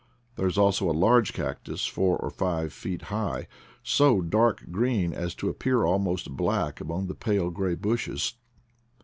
There is also a large cactus, four or five feet high, so dark green as to appear almost black among the pale gray bushes.